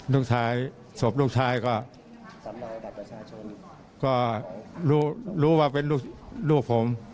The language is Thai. ลูกชายศพลูกชายก็ก็รู้รู้ว่าเป็นลูกลูกผม